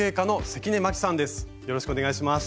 よろしくお願いします。